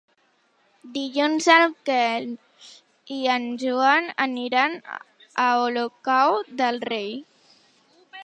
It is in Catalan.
Dilluns en Quel i en Joan aniran a Olocau del Rei.